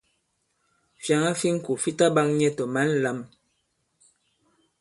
Fyàŋa fi ŋko fi ta ɓak nyɛ tɔ̀ mǎn lām.